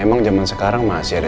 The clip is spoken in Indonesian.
emang zaman sekarang masih ada